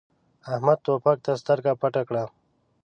احمد توپک ته سترګه پټه کړه.